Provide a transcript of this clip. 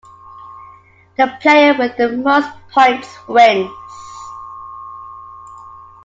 The player with the most points wins.